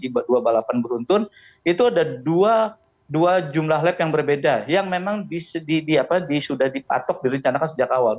di dua balapan beruntun itu ada dua jumlah lab yang berbeda yang memang sudah dipatok direncanakan sejak awal